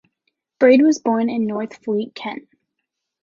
Braid was born in Northfleet, Kent.